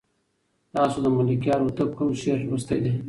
تاسو د ملکیار هوتک کوم شعر لوستی دی؟